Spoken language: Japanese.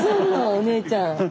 お姉ちゃん。